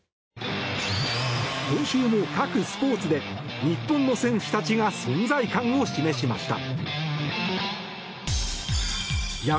今週も各スポーツで日本の選手たちが存在感を示しました。